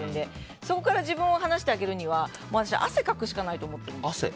そこから自分を離してあげるには汗をかくしかないと思ってる。